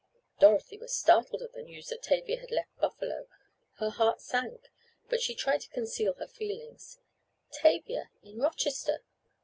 Dorothy was startled at the news that Tavia had left Buffalo. Her heart sank, but she tried to conceal her feelings. Tavia in Rochester!